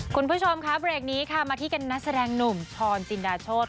คุณผู้ชมค่ะเบรกนี้ค่ะมาที่กันนักแสดงหนุ่มชรจินดาโชธ